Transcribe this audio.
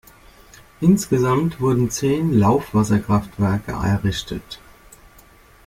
Insgesamt wurden zehn Laufwasserkraftwerke errichtet.